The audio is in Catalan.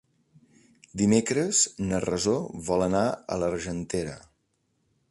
Dimecres na Rosó vol anar a l'Argentera.